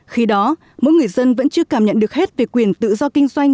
khi đó mỗi người dân vẫn chưa cảm nhận được hết về quyền tự do kinh doanh